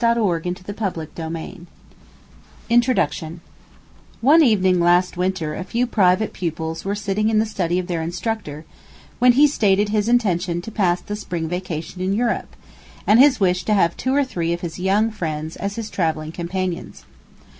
NAPOLEON'S SARCOPHAGUS, 324 INTRODUCTION One evening last winter a few private pupils were sitting in the study of their instructor, when he stated his intention to pass the spring vacation in Europe, and his wish to have two or three of his young friends as his travelling companions.